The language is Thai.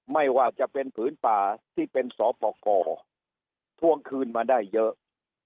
ไม่ว่าจะเป็นผืนป่าที่เป็นสปกรทวงคืนมาได้เยอะ